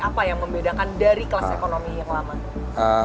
apa yang membedakan dari kelas ekonomi yang lama